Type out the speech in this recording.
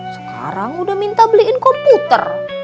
sekarang udah minta beliin komputer